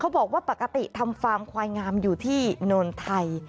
บอกว่าปกติทำฟาร์มควายงามอยู่ที่โนนไทย